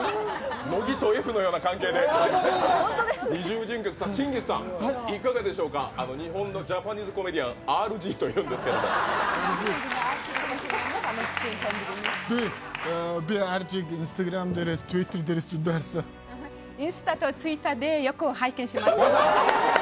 乃木とＦのような関係で、バルサーさんいかがでしょうか日本のジャパニーズコメディアンＲＧというんですけれどもインスタとＴｗｉｔｔｅｒでよく拝見しました。